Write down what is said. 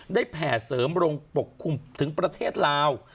แผ่เสริมลงปกคลุมถึงประเทศลาว